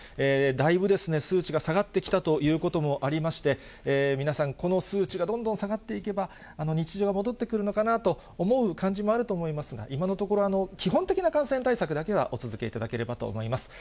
だいぶ数値が下がってきたということもありまして、皆さん、この数値がどんどん下がっていけば、日常が戻ってくるのかなと思う感じもあると思いますが、今のところ、基本的な感染対策だけはお続けいただければと思います。